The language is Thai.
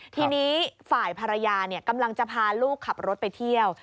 ทีนี้ฝ่ายภรรยากำลังจะพาลูกขับรถไปเที่ยว